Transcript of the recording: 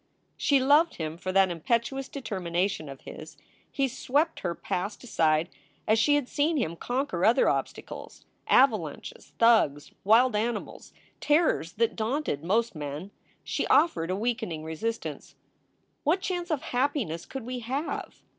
She loved him for that impetuous determination of his. He swept her past aside as she had seen him conquer other obstacles avalanches, thugs, wild animals, terrors that daunted most men. She offered a weakening resistance: "What chance of happiness could we have?"